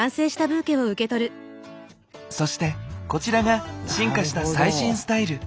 そしてこちらが進化した最新スタイル